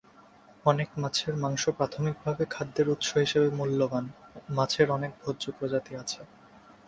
অনেক মাছের মাংস প্রাথমিকভাবে খাদ্যের উৎস হিসাবে মূল্যবান; মাছের অনেক ভোজ্য প্রজাতি আছে।